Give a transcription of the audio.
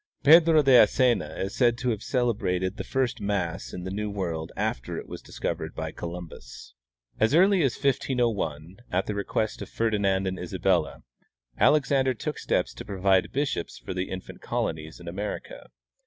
Pedro de Asena is said to have celebrated the first mass in the new world after it was discovered by Columbus. "As early as 1501, at the request of Ferdinand and Isabella, Alexander took steps to provide bishojDS for the infant colonies in America.